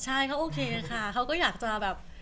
ใช่เขาโอเคค่ะเขาก็อยากจะแบบ